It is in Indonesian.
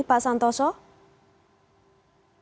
ketiga penjaga itu kebetulan juga